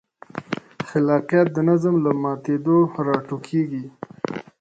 خلاقیت د نظم له ماتېدو راټوکېږي.